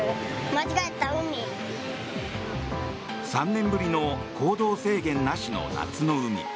３年ぶりの行動制限なしの夏の海。